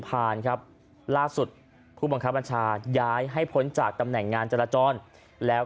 ผ่านครับล่าสุดผู้บังคับบัญชาย้ายให้พ้นจากตำแหน่งงานจราจรแล้ว